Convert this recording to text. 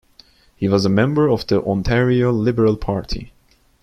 He was a member of the Ontario Liberal Party.